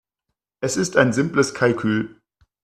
Es ist ein simples Kalkül.